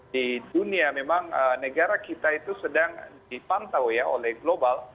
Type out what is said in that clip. di dunia memang negara kita itu sedang dipantau ya oleh global